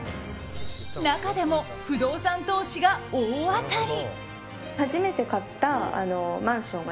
中でも不動産投資が大当たり。